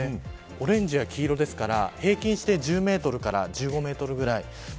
オレンジや黄色ですから平均して１０メートルから１５メートルくらい。